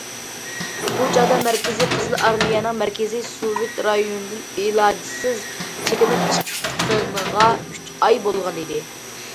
بۇ چاغدا مەركىزىي قىزىل ئارمىيەنىڭ مەركىزىي سوۋېت رايونىدىن ئىلاجىسىز چېكىنىپ چىققىنىغا ئۈچ ئاي بولغانىدى.